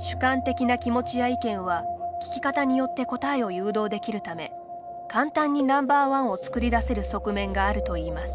主観的な気持ちや意見は聞き方によって答えを誘導できるため簡単にＮｏ．１を作り出せる側面があるといいます。